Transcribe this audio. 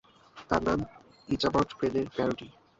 তার নাম ইচাবড ক্রেনের প্যারোডি।